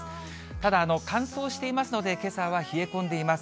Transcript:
ただ、乾燥していますので、けさは冷え込んでいます。